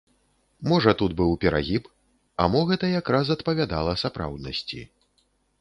Можа тут быў перагіб, а мо гэта якраз адпавядала сапраўднасці.